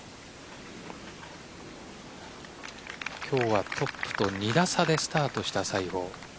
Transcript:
今日はトップと２打差でスタートした西郷。